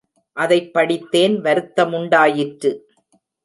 அதைப் படித்தேன், வருத்தமுண்டாயிற்று.